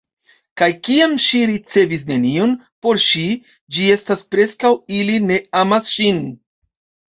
Kaj kiam ŝi ricevis nenion, por ŝi, ĝi estas preskaŭ ili ne amas ŝin.